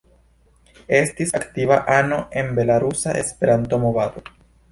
Estis aktiva ano en belarusa Esperanto-movado.